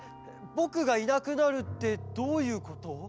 ぼくがいなくなるってどういうこと？